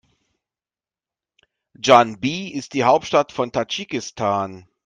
Duschanbe ist die Hauptstadt von Tadschikistan.